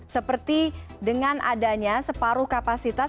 seperti dengan adanya separuh kapasitas